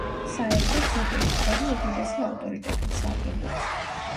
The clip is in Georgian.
საერთოდ, ზეპირი თორა უდიდესი ავტორიტეტით სარგებლობს.